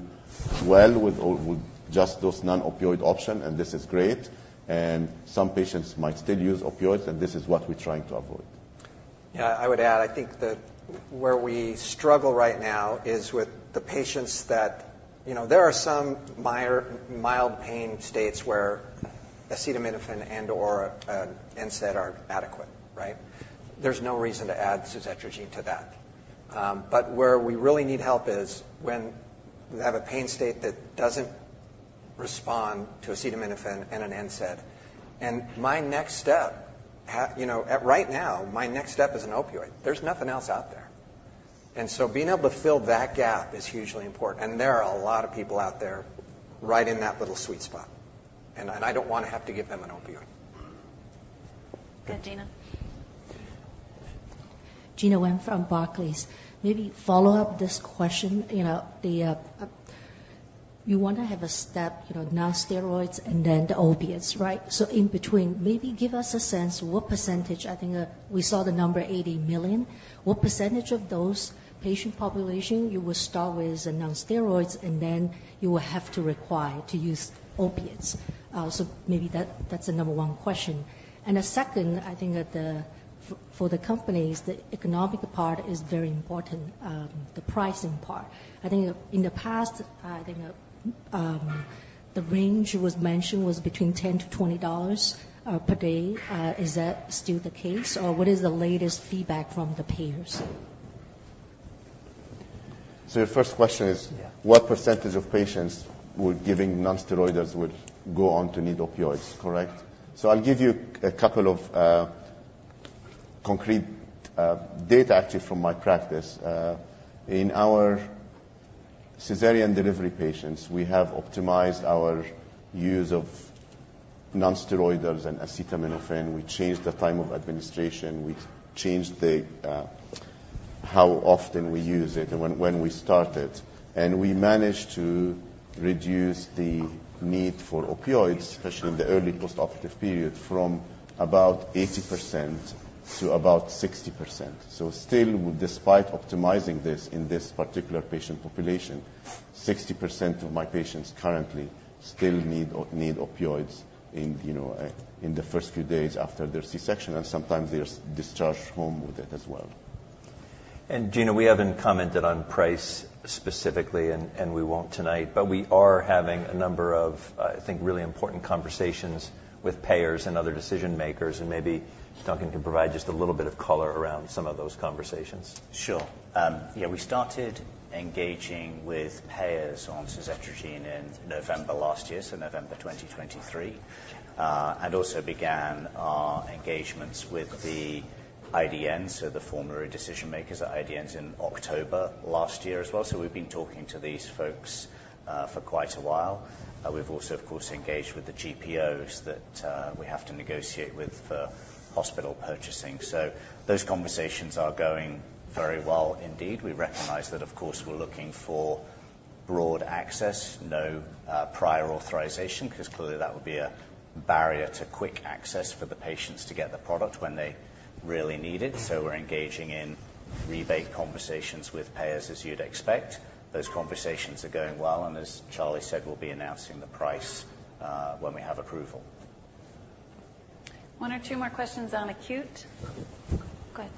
well with all, with just those non-opioid option, and this is great, and some patients might still use opioids, and this is what we're trying to avoid. Yeah, I would add, I think that where we struggle right now is with the patients that... You know, there are some mild pain states where acetaminophen and or NSAID are adequate, right? There's no reason to add suzetrigine to that. But where we really need help is when we have a pain state that doesn't respond to acetaminophen and an NSAID. And my next step, you know, at right now, my next step is an opioid. There's nothing else out there. And so being able to fill that gap is hugely important, and there are a lot of people out there right in that little sweet spot, and I, I don't wanna have to give them an opioid. Good. Gena? Gena Wang from Barclays. Maybe follow up this question, you know, the, you want to have a step, you know, nonsteroids and then the opiates, right? So in between, maybe give us a sense, what percentage... I think we saw the number 80 million. What percentage of those patient population you will start with a nonsteroids, and then you will have to require to use opiates? So maybe that, that's the number one question. And the second, I think that the for, for the companies, the economic part is very important, the pricing part. I think in the past, I think, the range was mentioned was between $10 to $20, per day. Is that still the case, or what is the latest feedback from the payers? So your first question is- Yeah. What percentage of patients we're giving nonsteroidals would go on to need opioids, correct? So I'll give you a couple of concrete data, actually, from my practice. In our cesarean delivery patients, we have optimized our use of nonsteroidals and acetaminophen. We changed the time of administration, we changed the how often we use it and when we start it. And we managed to reduce the need for opioids, especially in the early postoperative period, from about 80% to about 60%. So still, despite optimizing this in this particular patient population, 60% of my patients currently still need opioids in, you know, in the first few days after their C-section, and sometimes they're discharged home with it as well. Gena, we haven't commented on price specifically, and we won't tonight. But we are having a number of, I think, really important conversations with payers and other decision-makers, and maybe Duncan can provide just a little bit of color around some of those conversations. Sure. Yeah, we started engaging with payers on suzetrigine in November last year, so November 2023, and also began our engagements with the IDN, so the formulary decision-makers at IDN, in October last year as well. So we've been talking to these folks for quite a while. We've also, of course, engaged with the GPOs that we have to negotiate with for hospital purchasing. So those conversations are going very well indeed. We recognize that, of course, we're looking for broad access, no prior authorization, 'cause clearly that would be a- ...barrier to quick access for the patients to get the product when they really need it. So we're engaging in rebate conversations with payers, as you'd expect. Those conversations are going well, and as Charlie said, we'll be announcing the price when we have approval. One or two more questions on acute. Go ahead.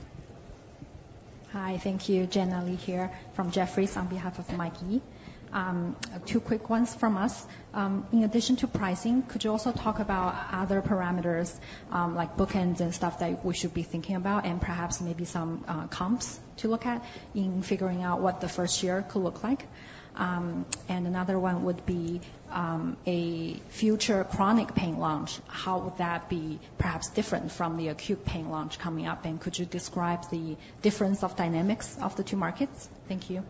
Hi, thank you. Jenna Li here from Jefferies on behalf of Michael Yee. Two quick ones from us. In addition to pricing, could you also talk about other parameters, like bookends and stuff that we should be thinking about, and perhaps maybe some comps to look at in figuring out what the first year could look like? And another one would be a future chronic pain launch. How would that be perhaps different from the acute pain launch coming up? And could you describe the difference of dynamics of the two markets? Thank you.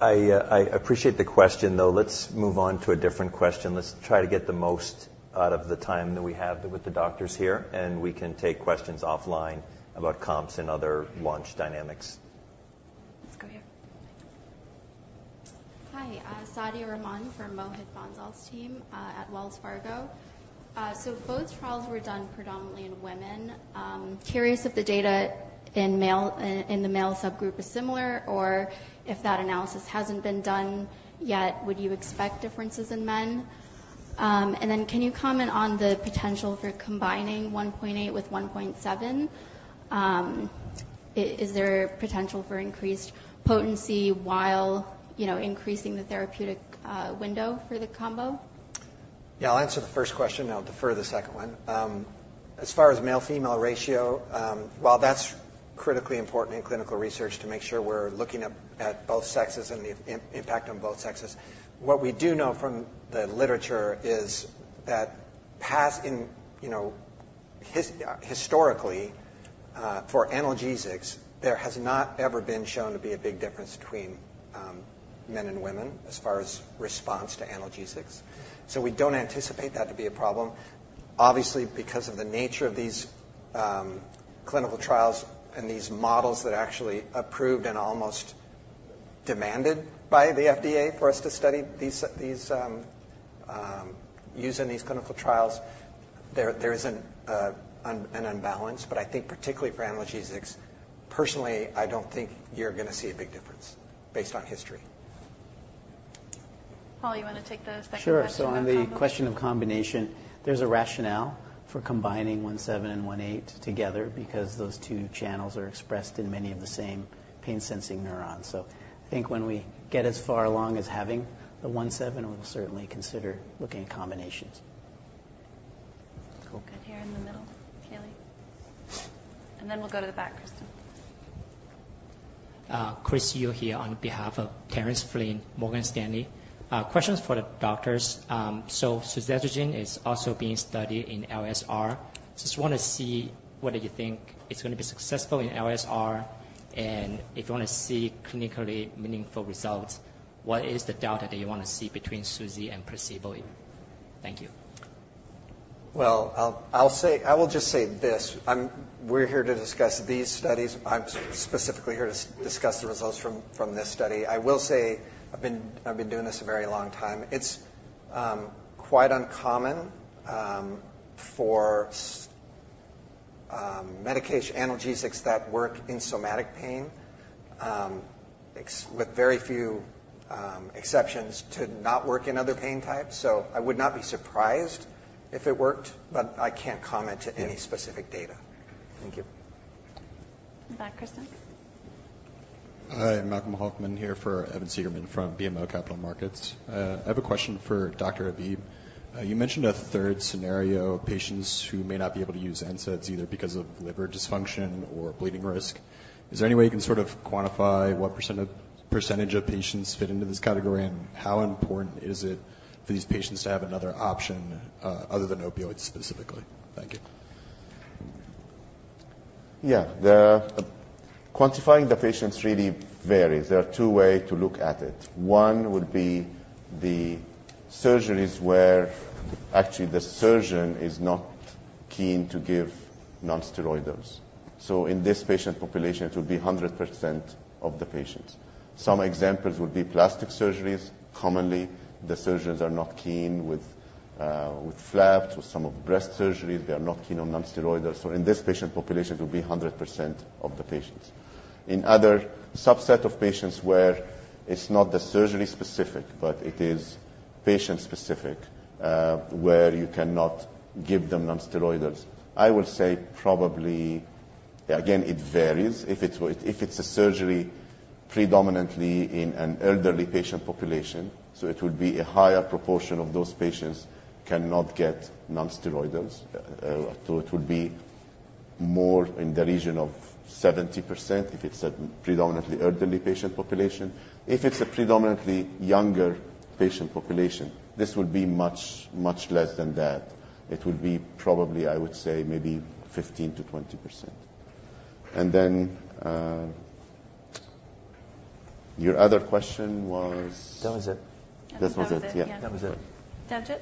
I, I appreciate the question, though let's move on to a different question. Let's try to get the most out of the time that we have with the doctors here, and we can take questions offline about comps and other launch dynamics. Let's go here. Hi, Sadia Rahman from Mohit Bansal's team at Wells Fargo. So both trials were done predominantly in women. Curious if the data in the male subgroup is similar, or if that analysis hasn't been done yet, would you expect differences in men? And then can you comment on the potential for combining one point eight with one point seven? Is there potential for increased potency while, you know, increasing the therapeutic window for the combo? Yeah, I'll answer the first question, and I'll defer the second one. As far as male-female ratio, while that's critically important in clinical research to make sure we're looking at both sexes and the impact on both sexes, what we do know from the literature is that historically, for analgesics, there has not ever been shown to be a big difference between men and women as far as response to analgesics. So we don't anticipate that to be a problem. Obviously, because of the nature of these clinical trials and these models that are actually approved and almost demanded by the FDA for us to study these use in these clinical trials, there isn't an unbalance. But I think particularly for analgesics, personally, I don't think you're gonna see a big difference based on history. Paul, you want to take the second question on combo? Sure. So on the question of combination, there's a rationale for combining one seven and one eight together because those two channels are expressed in many of the same pain-sensing neurons. So I think when we get as far along as having the one seven, we'll certainly consider looking at combinations. Cool. Good. Here in the middle, Keeley. And then we'll go to the back, Kristen. Chris Yu here on behalf of Terence Flynn, Morgan Stanley. Questions for the doctors: So suzetrigine is also being studied in LSR. Just want to see whether you think it's gonna be successful in LSR, and if you want to see clinically meaningful results, what is the data that you want to see between Suzy and placebo? Thank you. I will just say this. We're here to discuss these studies. I'm specifically here to discuss the results from this study. I will say I've been doing this a very long time. It's quite uncommon for medication, analgesics that work in somatic pain, with very few exceptions, to not work in other pain types. So I would not be surprised if it worked, but I can't comment on any specific data. Thank you. In the back, Kristin. Hi, Malcolm Hoffman here for Evan Seigerman from BMO Capital Markets. I have a question for Dr. Habib. You mentioned a third scenario, patients who may not be able to use NSAIDs either because of liver dysfunction or bleeding risk. Is there any way you can sort of quantify what percent of, percentage of patients fit into this category, and how important is it for these patients to have another option, other than opioids specifically? Thank you. Yeah. The quantifying the patients really varies. There are two ways to look at it. One would be the surgeries where actually the surgeon is not keen to give nonsteroidals. So in this patient population, it would be 100% of the patients. Some examples would be plastic surgeries. Commonly, the surgeons are not keen with with flaps, with some of breast surgeries, they are not keen on nonsteroidals. So in this patient population, it will be 100% of the patients. In other subset of patients where it's not the surgery-specific, but it is patient-specific, where you cannot give them nonsteroidals, I will say probably, again, it varies. If it's a surgery predominantly in an elderly patient population, so it would be a higher proportion of those patients cannot get nonsteroidals. So, it would be more in the region of 70% if it's a predominantly elderly patient population. If it's a predominantly younger patient population, this would be much, much less than that. It would be probably, I would say, maybe 15%-20%. And then, your other question was? That was it. That was it, yeah. That was it. Debjit?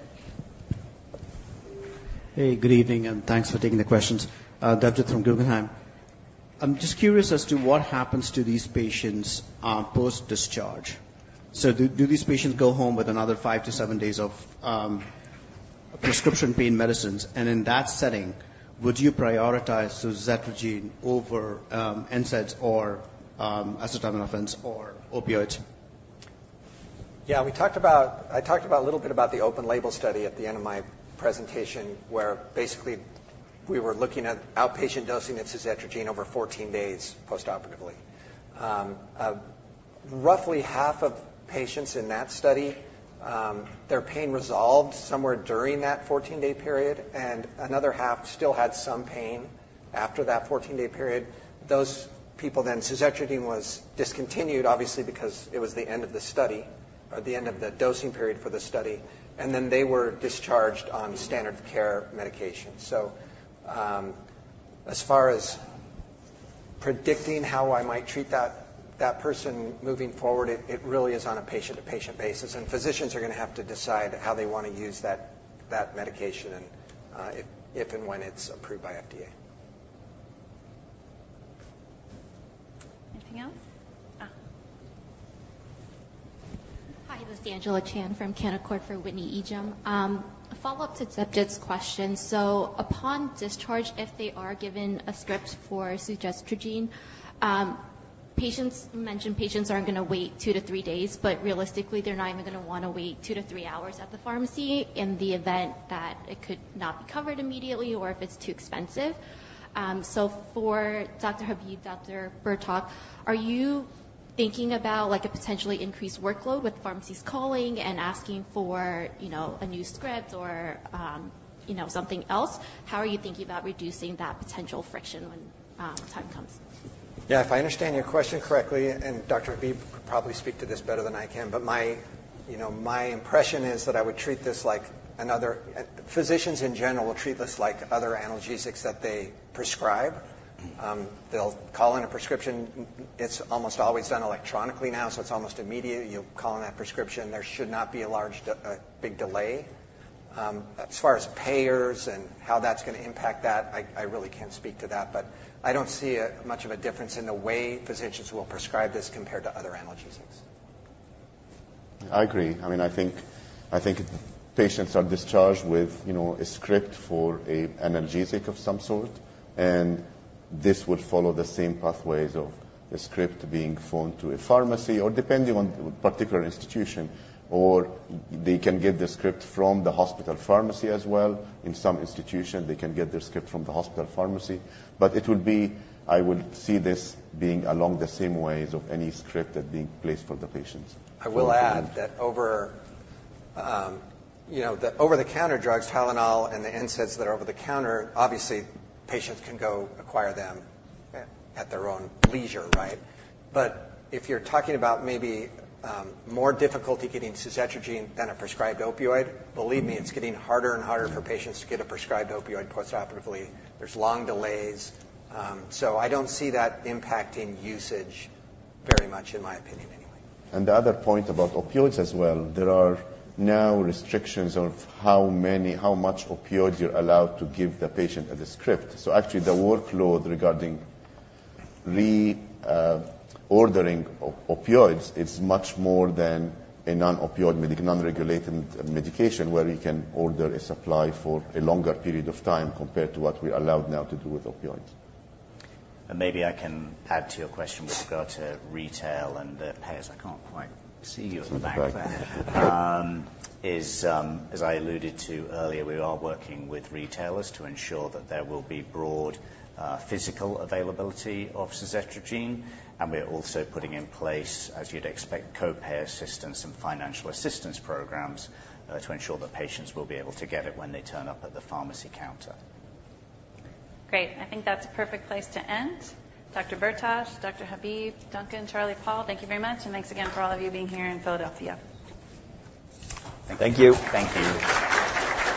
Hey, good evening, and thanks for taking the questions. Debjit from Guggenheim. ... I'm just curious as to what happens to these patients post-discharge. So do these patients go home with another five to seven days of prescription pain medicines? And in that setting, would you prioritize suzetrigine over NSAIDs, or acetaminophen, or opioids? Yeah, I talked about a little bit about the open label study at the end of my presentation, where basically we were looking at outpatient dosing of suzetrigine over 14 days postoperatively. Roughly half of patients in that study, their pain resolved somewhere during that 14-day period, and another half still had some pain after that 14-day period. Those people then, suzetrigine was discontinued, obviously, because it was the end of the study or the end of the dosing period for the study, and then they were discharged on standard care medication. So, as far as predicting how I might treat that person moving forward, it really is on a patient-to-patient basis, and physicians are gonna have to decide how they wanna use that medication, and if and when it's approved by FDA. Anything else? Hi, this is Angela Chen from Canaccord Genuity for Whitney Ijem. A follow-up to Debjit's question. So upon discharge, if they are given a script for suzetrigine, patients, you mentioned patients aren't gonna wait two to three days, but realistically, they're not even gonna wanna wait two to three hours at the pharmacy in the event that it could not be covered immediately or if it's too expensive. So for Dr. Habib, Dr. Bertoch, are you thinking about, like, a potentially increased workload with pharmacies calling and asking for, you know, a new script or, you know, something else? How are you thinking about reducing that potential friction when the time comes? Yeah, if I understand your question correctly, and Dr. Habib could probably speak to this better than I can, but you know, my impression is that I would treat this like another... Physicians in general will treat this like other analgesics that they prescribe. They'll call in a prescription. It's almost always done electronically now, so it's almost immediate. You'll call in that prescription. There should not be a large de-- a big delay. As far as payers and how that's gonna impact that, I really can't speak to that, but I don't see much of a difference in the way physicians will prescribe this compared to other analgesics. I agree. I mean, I think, I think patients are discharged with, you know, a script for a analgesic of some sort, and this would follow the same pathways of a script being phoned to a pharmacy or depending on the particular institution, or they can get the script from the hospital pharmacy as well. In some institutions, they can get their script from the hospital pharmacy, but it will be. I would see this being along the same ways of any script that being placed for the patients. I will add that over, you know, the over-the-counter drugs, Tylenol and the NSAIDs that are over the counter, obviously, patients can go acquire them- Yeah. At their own leisure, right? But if you're talking about maybe more difficulty getting suzetrigine than a prescribed opioid, believe me, it's getting harder and harder for patients to get a prescribed opioid postoperatively. There's long delays. So I don't see that impacting usage very much, in my opinion, anyway. The other point about opioids as well, there are now restrictions on how many, how much opioids you're allowed to give the patient as a script. So actually, the workload regarding reordering opioids is much more than a non-opioid, non-regulated medication, where you can order a supply for a longer period of time compared to what we're allowed now to do with opioids. Mabe I can add to your question with regard to retail and the payers. I can't quite see you at the back there. As I alluded to earlier, we are working with retailers to ensure that there will be broad physical availability of Suzetrigine, and we are also putting in place, as you'd expect, copay assistance and financial assistance programs to ensure that patients will be able to get it when they turn up at the pharmacy counter. Great. I think that's a perfect place to end. Dr. Bertoch, Dr. Habib, Duncan, Charlie, Paul, thank you very much, and thanks again for all of you being here in Philadelphia. Thank you. Thank you.